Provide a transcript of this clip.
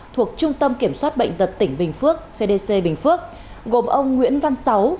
thuộc trung tâm kiểm soát bệnh tật tỉnh bình phước cdc bình phước gồm ông nguyễn văn sáu